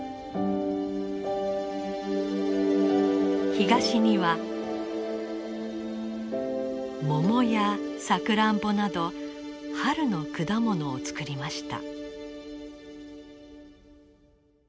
東にはモモやサクランボなど春の果物を作りました。